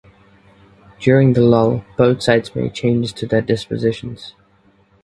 During the lull both sides made changes to their dispositions.